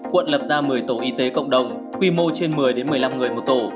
quận lập ra một mươi tổ y tế cộng đồng quy mô trên một mươi một mươi năm người một tổ